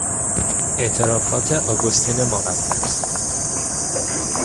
اعترافات اگوستین مقدس